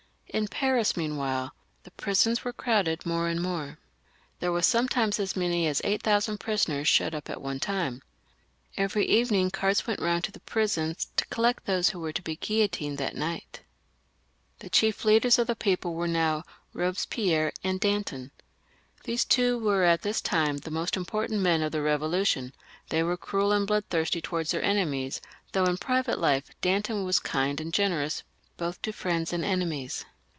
In Paris, meanwhile, the prisons were crowded more and more. There were sometimes as many as eight thousand prisoners shut up at one time. Every evening carts went round to the prisons to collect those who were to be guillotined that night. The chief leaders of the > xux.] THE REVOLUTION. 417 people were now Eobespierre and Danton. These two were at this time the most important men of the Eevolu tion; they were cruel and bloodthirsty towards their enemies, though in private life Danton was kind and generous both to friends and enemies.